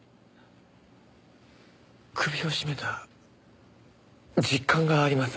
首を絞めた実感があります。